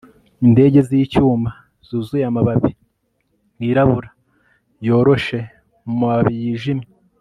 indege z'icyuma yuzuye amababi yirabura yoroshe mumababi yijimye